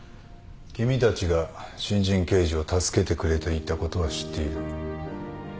君たちが新人刑事を助けてくれていたことは知っている。